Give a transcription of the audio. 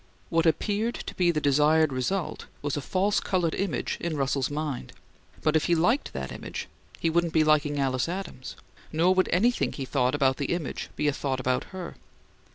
What appeared to be the desired result was a false coloured image in Russell's mind; but if he liked that image he wouldn't be liking Alice Adams; nor would anything he thought about the image be a thought about her.